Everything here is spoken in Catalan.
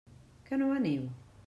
Que no veniu?